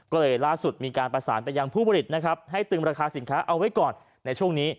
ก็เลยล่าสุดมีการประสานไปยังผู้ผลิตนะครับให้ตึงราคาสินค้าเอาไว้ก่อนในช่วงนี้